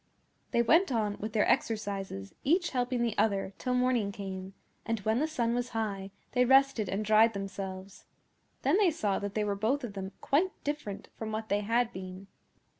They went on with their exercises, each helping the other, till morning came; and when the sun was high they rested and dried themselves. Then they saw that they were both of them quite different from what they had been.